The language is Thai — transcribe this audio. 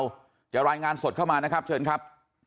เราจะรายงานสดเข้ามานะครับเชิญครับ